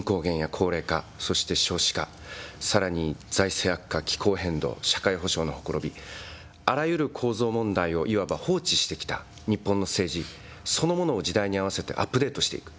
人口減や高齢化、そして少子化、さらに財政悪化、気候変動、社会保障のほころび、あらゆる構造問題をいわば放置してきた日本の政治そのものを時代に合わせてアップデートしていく。